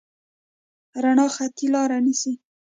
رڼا خطي لاره نیسي.